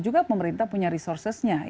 juga pemerintah punya resourcesnya